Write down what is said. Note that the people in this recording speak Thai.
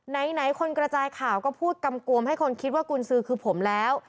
ไหนคนกระจายข่าวก็พูดกำกวมให้คนคิดว่ากุญสือคือผมแล้ว